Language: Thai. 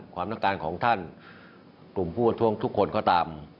ความต้องการของท่านกลุ่มผู้ประท้วงทุกคนก็ตาม